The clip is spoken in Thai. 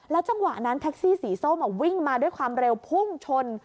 จังหวะนั้นแท็กซี่สีส้มวิ่งมาด้วยความเร็วพุ่งชน